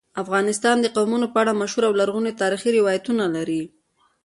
افغانستان د قومونه په اړه مشهور او لرغوني تاریخی روایتونه لري.